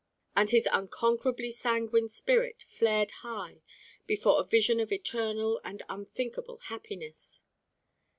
... "and his unconquerably sanguine spirit flared high before a vision of eternal and unthinkable happiness"